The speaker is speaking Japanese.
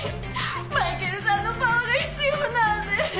マイケルさんのパワーが必要なんです！